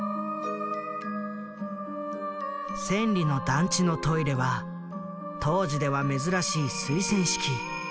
千里の団地のトイレは当時では珍しい水洗式。